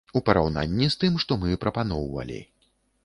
У параўнанні з тым, што мы прапаноўвалі.